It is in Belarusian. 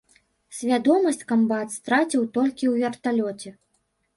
Свядомасць камбат страціў толькі ў верталёце.